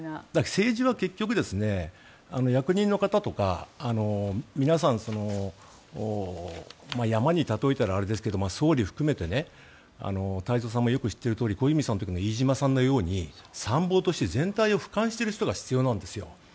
政治は結局役人の方とか皆さん山に例えたらあれですが総理も含めて太蔵さんもよく知っているように小泉さんの時の飯塚さんのように参謀として全体を俯瞰している人が必要なんです。